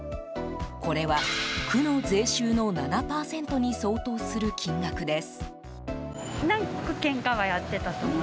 これは区の税収の７％に相当する金額です。